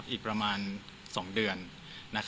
อีกประมาณ๒เดือน